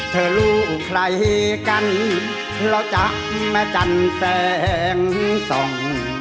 เธอรู้ใครกันเราจะแม่จันแสงส่อง